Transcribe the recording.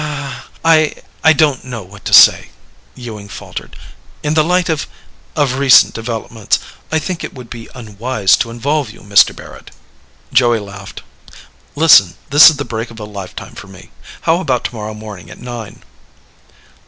"I ... I don't know what to say," Ewing faltered. "In the light of ... of recent developments, I think it would be unwise to involve you, Mr. Barrett." Joey laughed. "Listen, this is the break of a lifetime for me. How about tomorrow morning at nine?"